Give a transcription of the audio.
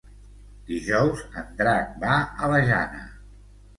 Dijous en Drac va a la Jana.